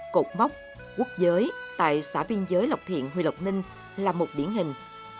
cột móc quốc giới tại xã biên giới lộc thiện huy lộc ninh là một điển hình